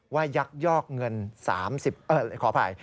ยักยอกเงิน๓๐ขออภัย